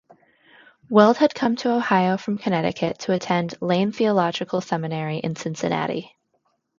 Weld had come to Ohio from Connecticut to attend Lane Theological Seminary in Cincinnati.